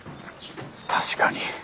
確かに。